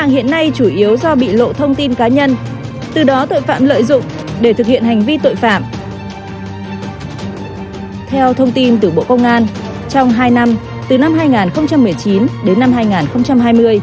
theo thông tin từ bộ công an trong hai năm từ năm hai nghìn một mươi chín đến năm hai nghìn hai mươi